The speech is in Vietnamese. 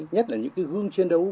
nhất là những cái gương chiến đấu